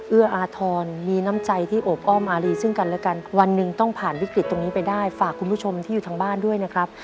เอื้ออาทรมีน้ำใจที่โอบอ้อมอารีซึ่งกันและกันวันหนึ่งต้องผ่านวิกฤตตรงนี้ไปได้ฝากคุณผู้ชมที่อยู่ทางบ้านด้วยนะครับ